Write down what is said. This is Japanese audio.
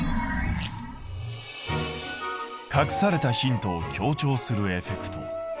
隠されたヒントを強調するエフェクト。